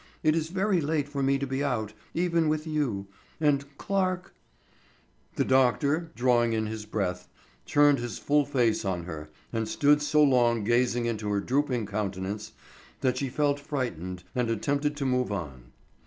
It is very late for me to be out, even with you, and Clarke——" The doctor, drawing in his breath, turned his full face on her and stood so long gazing into her drooping countenance that she felt frightened and attempted to move on.